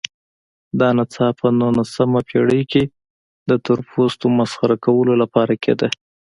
دا نڅا په نولسمه پېړۍ کې د تورپوستو مسخره کولو لپاره کېده.